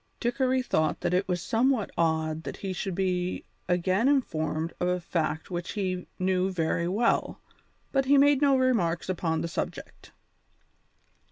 Dickory thought that it was somewhat odd that he should be again informed of a fact which he knew very well, but he made no remarks upon the subject.